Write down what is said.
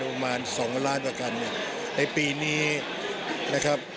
ประมาณ๒ล้านคอนตมในปีนี้นะครับ